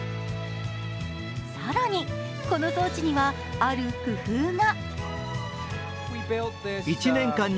更にこの装置には、ある工夫が。